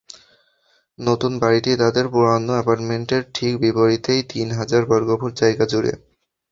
নতুন বাড়িটি তাঁদের পুরোনো অ্যাপার্টমেন্টের ঠিক বিপরীতেই তিন হাজার বর্গফুট জায়গা জুড়ে।